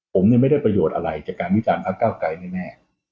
ผมไม่ได้ประโยชน์อะไรจากการวิจารณพระเก้าไกรแน่